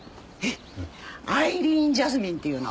アイリーンジャスミンっていうの。